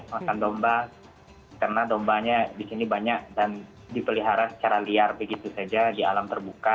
makan domba karena dombanya di sini banyak dan dipelihara secara liar begitu saja di alam terbuka